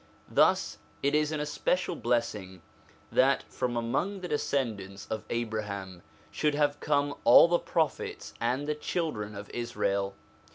Thus it is an especial blessing that from among the descendants of Abraham should have come all the Prophets of the children of Israel.